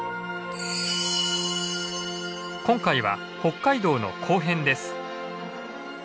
今回は北海道の後編です。